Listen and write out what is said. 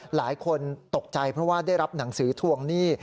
หลายคนตกใจเพราะว่าได้รับหนังสือทวงหนี้